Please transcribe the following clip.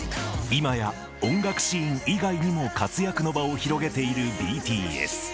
今や、音楽シーン以外にも活躍の場を広げているＢＴＳ。